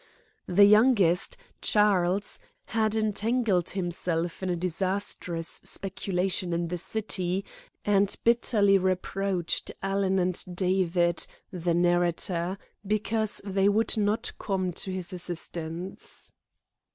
The youngest, Charles, had entangled himself in a disastrous speculation in the city, and bitterly reproached Alan and David (the narrator) because they would not come to his assistance.